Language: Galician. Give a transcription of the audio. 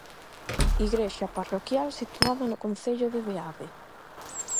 Igrexa parroquial situada no concello de Beade.